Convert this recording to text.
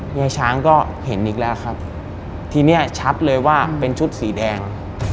ยายช้างก็เห็นอีกแล้วครับทีนี้ชัดเลยว่าเป็นชุดสีแดง